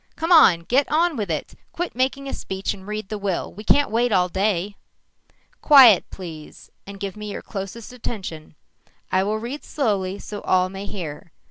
"Come on! Get on with it. Quit making a speech and read the will, we can't wait all day!" "Quiet, please, and give me your closest attention. I will read slowly so all may hear.